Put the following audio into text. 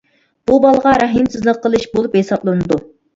بۇ بالىغا رەھىمسىزلىك قىلىش بولۇپ ھېسابلىنىدۇ.